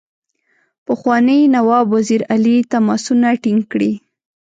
پخواني نواب وزیر علي تماسونه ټینګ کړي.